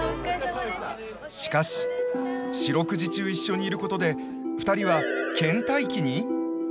しかし四六時中一緒にいることで２人はけん怠期に？